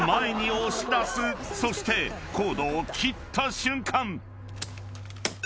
［そしてコードを切った瞬間］